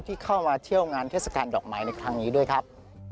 ที่เข้ามาเที่ยวงานเทศกาลดอกไม้ในครั้งนี้ด้วยครับ